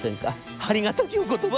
『ありがたきお言葉。